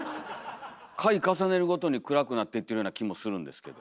回重ねるごとに暗くなってってるような気もするんですけど。